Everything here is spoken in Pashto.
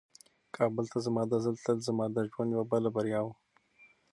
کابل ته زما دا ځل تلل زما د ژوند یوه بله بریا وه.